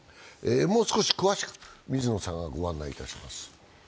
もう少し詳しく水野さんがご案内します。